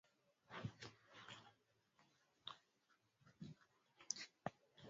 Nywele zilizosukwa zinaweza kuaachwa au zikafungwa pamoja kwa kutumia ngozi